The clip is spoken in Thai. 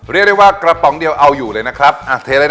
เรียกได้ว่ากระป๋องเดียวเอาอยู่เลยนะครับอ่ะเทเลยนะ